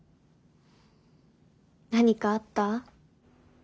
何かあった？